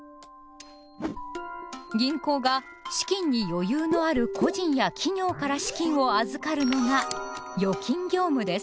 銀行が資金に余裕のある個人や企業から資金を預かるのが「預金業務」です。